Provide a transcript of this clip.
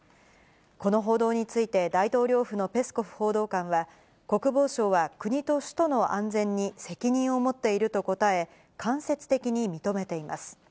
この報道について、大統領府のペスコフ報道官は、国防省は国と首都の安全に責任を持っていると答え、間接的に認めています。